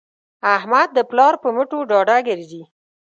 احمد د پلار په مټو ډاډه ګرځي.